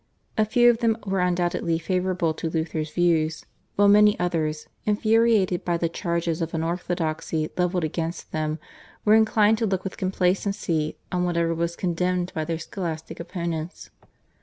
A few of them were undoubtedly favourable to Luther's views, while many others, infuriated by the charges of unorthodoxy levelled against them, were inclined to look with complacency on whatever was condemned by their Scholastic opponents.